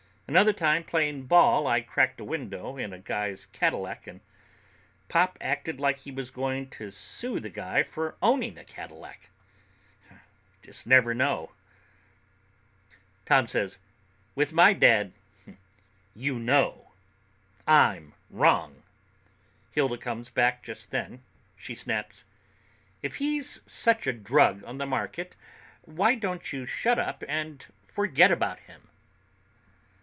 Another time playing ball I cracked a window in a guy's Cadillac, and Pop acted like he was going to sue the guy for owning a Cadillac. You just never know." Tom says, "With my dad, you know: I'm wrong." Hilda comes back just then. She snaps, "If he's such a drug on the market, why don't you shut up and forget about him?"